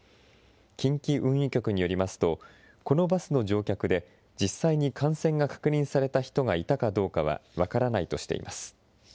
近畿運輸局によりますと、このバスの乗客で実際に感染が確認された人がいたかどうかは分からないとしています。